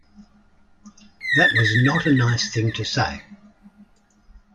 That was not a nice thing to say